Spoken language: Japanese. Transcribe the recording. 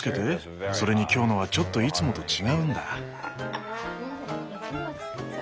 それに今日のはちょっといつもと違うんだ。